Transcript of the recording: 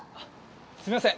すみません。